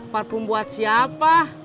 parfum buat siapa